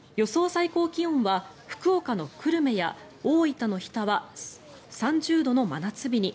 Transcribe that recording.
最高気温は福岡の久留米や大分の日田は３０度の真夏日に。